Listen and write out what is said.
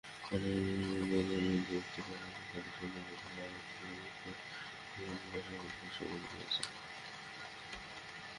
মাননীয় প্রধানমন্ত্রী উক্ত প্যানেলের সদস্য নির্বাচিত হওয়ায় আন্তর্জাতিক পরিমণ্ডলে বাংলাদেশের অবস্থান আরও সুসংহত হয়েছে।